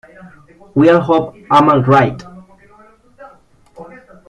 We all hope I am right.